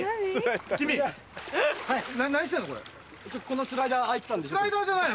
このスライダー空いてたんで。